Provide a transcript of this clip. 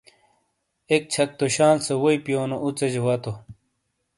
ایک چھک تو شال سے وئی پیونو اوژے جہ واتو۔